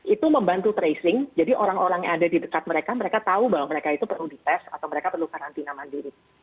itu membantu tracing jadi orang orang yang ada di dekat mereka mereka tahu bahwa mereka itu perlu dites atau mereka perlu karantina mandiri